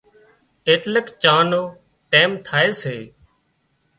ايٽليڪ چانه نو ٽيم ٿائي سي